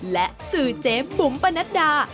และสื่อเจมปุ๋มปนัดดา